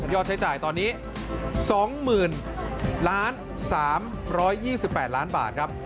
ยอดใช้จ่ายตอนนี้๒๐๓๒๘๐๐๐บาทครับ